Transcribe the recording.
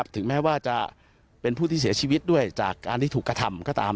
ถึงแม้ว่าจะเป็นผู้ที่เสียชีวิตด้วยจากการที่ถูกกระทำก็ตาม